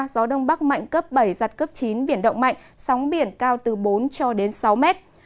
gió đông bắc mạnh cấp bảy giật cấp chín biển động mạnh sóng biển cao từ bốn cho đến sáu mét